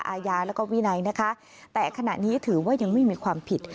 อาญาแล้วก็วินัยนะคะแต่ขณะนี้ถือว่ายังไม่มีความผิด